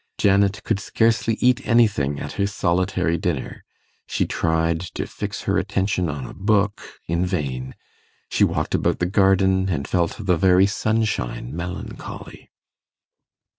Janet could scarcely eat anything at her solitary dinner: she tried to fix her attention on a book in vain; she walked about the garden, and felt the very sunshine melancholy.